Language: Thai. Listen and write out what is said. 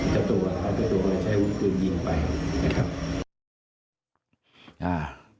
จับตัวเอาจับตัวไปใช้หุ้นพื้นยิงไปนะครับ